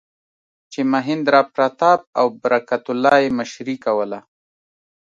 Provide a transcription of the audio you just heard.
چې مهیندراپراتاپ او برکت الله یې مشري کوله.